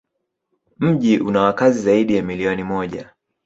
Mji una wakazi zaidi ya milioni moja.